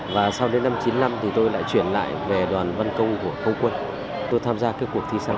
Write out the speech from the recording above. và sau đó thì tôi về tôi đã hoàn thành các khúc này